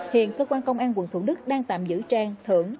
hiện cơ quan công an quận thủ đức đang tạm giữ trang thưởng